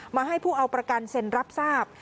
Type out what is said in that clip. ให้ผู้เอาประกันเซ็นรับทราบ